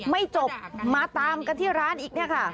ไม่จบมาตามกันที่ร้านอีก